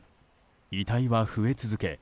遺体は増え続け